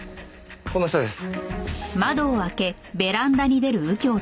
この下です。